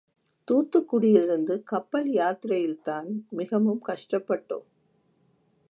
தூத்துக்குடியிலிருந்து கப்பல் யாத்திரையில்தான் மிகவும் கஷ்டப்பட்டோம்.